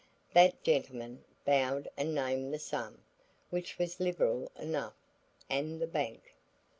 That gentleman bowed and named the sum, which was liberal enough, and the bank.